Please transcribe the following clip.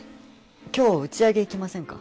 今日打ち上げ行きませんか？